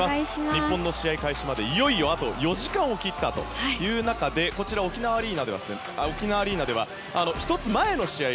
日本の試合開始までいよいよあと４時間を切った中でこちら、沖縄アリーナでは１つ前の試合